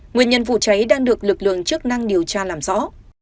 nguyên nhân vụ cháy đang được lực lượng chức năng điều tra làm rõ